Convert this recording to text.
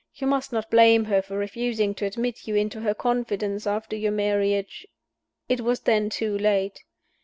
You must not blame her for refusing to admit you into her confidence after your marriage: it was then too late.